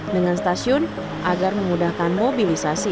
dengan stasiun agar memudahkan mobilisasi